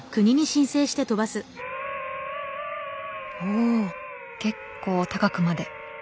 お結構高くまで。